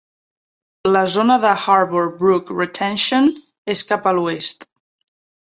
La zona de Harbor Brook Retention és cap a l'oest.